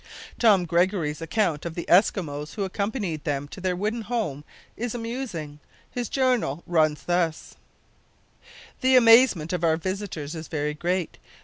Tom Gregory's account of the Eskimos who accompanied them to their wooden home is amusing. His journal runs thus: "The amazement of our visitors is very great.